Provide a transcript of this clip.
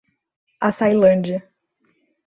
Açailândia